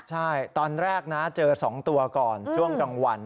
ใช่ตอนแรกนะเจอ๒ตัวก่อนช่วงกลางวัน